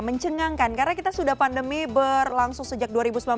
mencengangkan karena kita sudah pandemi berlangsung sejak dua ribu sembilan belas